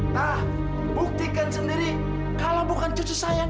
sampai jumpa di video selanjutnya